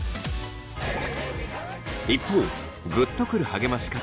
一方グッとくる励まし方